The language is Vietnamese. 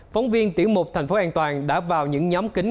phóng viên tiểu mục thành phố an toàn đã vào những nhóm kính